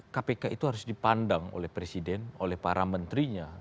kpk itu harus dipandang oleh presiden oleh para menterinya